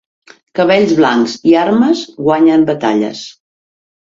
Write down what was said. Cabells blancs i armes guanyen batalles.